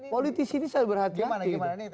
politik sini selalu berhati hati